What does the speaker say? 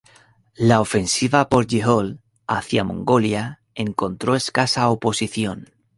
La ofensiva por Jehol hacia Mongolia encontró escasa oposición.